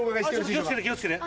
気を付けて気を付けて。